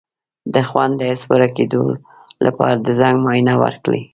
د خوند د حس د ورکیدو لپاره د زنک معاینه وکړئ